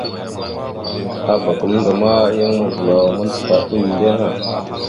Abak gamənda yan mavəlaw mandzəha endeŋa.